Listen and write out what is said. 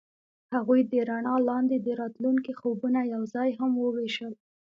هغوی د رڼا لاندې د راتلونکي خوبونه یوځای هم وویشل.